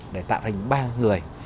để tạo thành ba người